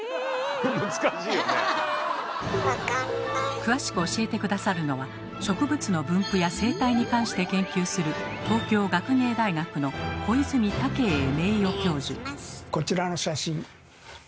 詳しく教えて下さるのは植物の分布や生態に関して研究するこちらの写真。